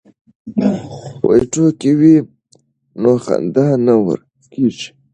که ټوکې وي نو خندا نه ورکېږي.